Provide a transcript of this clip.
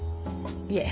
いえ。